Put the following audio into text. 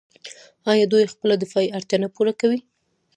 آیا دوی خپله دفاعي اړتیا نه پوره کوي؟